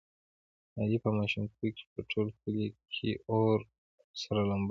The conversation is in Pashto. علي په ماشومتوب کې په ټول کلي کې اور او سره لمبه و.